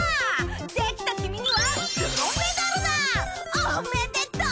できた君には黒メダルだ！おめでとう！